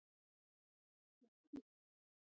کویلیو سندرې ولیکلې.